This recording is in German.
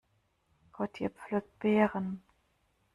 Gotje pflückt Beeren.